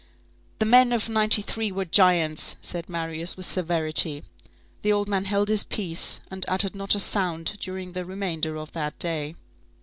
—"The men of '93 were giants," said Marius with severity. The old man held his peace, and uttered not a sound during the remainder of that day.